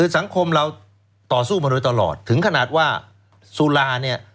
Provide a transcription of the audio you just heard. สังคมเราต่อสู้มาโดยตลอดถึงขนาดว่าสุราเนี่ย